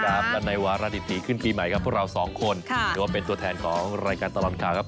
และในวาระดิบดีขึ้นปีใหม่กับพวกเราสองคนถือว่าเป็นตัวแทนของรายการตลอดข่าวครับ